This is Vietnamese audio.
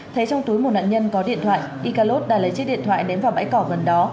thấy trong túi một nạn nhân có điện thoại ika lon đã lấy chiếc điện thoại đếm vào bãi cỏ gần đó